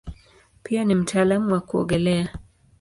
Pia ni mtaalamu wa kuogelea.